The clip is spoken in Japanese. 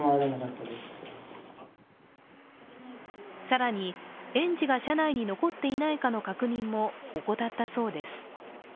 更に、園児が車内に残っていないかの確認も怠ったそうです。